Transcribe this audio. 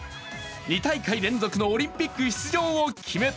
２大会連続のオリンピック出場を決めた。